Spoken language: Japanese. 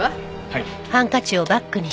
はい。